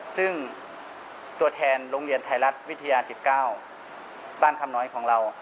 ซึ่งตัวแทนโรงเรียนไทยรัฐวิทยา๑๙บ้านคำน้อยของเรา